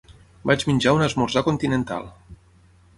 Vaig menjar un esmorzar continental.